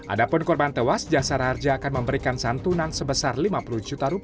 adapun korban tewas jasara harja akan memberikan santunan sebesar rp lima puluh juta